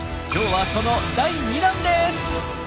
今日はその第２弾です！